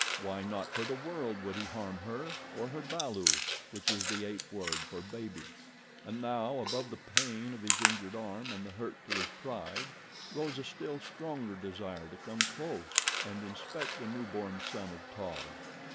Why, not for the world would he harm her, or her balu, which is the ape word for baby. And now, above the pain of his injured arm and the hurt to his pride, rose a still stronger desire to come close and inspect the new born son of Taug.